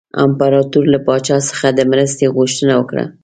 امپراطور له پاچا څخه د مرستې غوښتنه وکړه.